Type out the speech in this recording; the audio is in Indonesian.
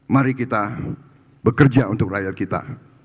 mari kita bekerja untuk rakyat kita